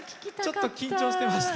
ちょっと緊張してました。